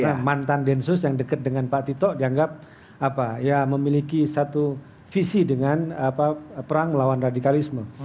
karena mantan densus yang dekat dengan pak tito dianggap apa ya memiliki satu visi dengan apa perang melawan radikalisme